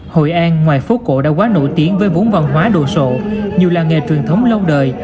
hội an ngoài phố cổ đã quá nổi tiếng với vốn văn hóa đồ sộ nhiều làng nghề truyền thống lâu đời